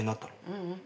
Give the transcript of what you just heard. ううん。